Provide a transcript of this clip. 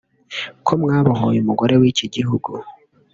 ko mwabohoye umugore w’iki gihugu